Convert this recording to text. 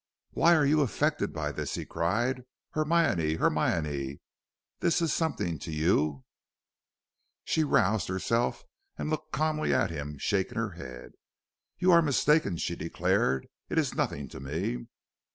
"Why are you affected by this?" he cried. "Hermione, Hermione, this is something to you!" She roused herself and looked calmly at him, shaking her head. "You are mistaken," she declared. "It is nothing to me."